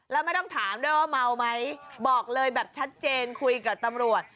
แล้วไม่ต้องถามด้วยว่าเมาไหมบอกเลยแบบชัดเจนคุยกับตำรวจ